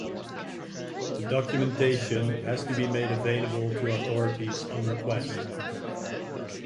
The documentation has to be made available to authorities on request.